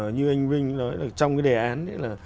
như anh vinh nói trong đề án